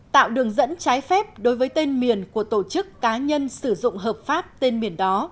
tạo đường dẫn trái phép đối với tên miền của tổ chức cá nhân sử dụng hợp pháp tên miền đó